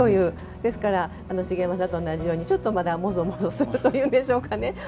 ですから、茂山さんと同じようにちょっとまだ、もぞもぞするというね。